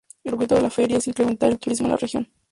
El objetivo de la feria es incrementar el turismo en la región.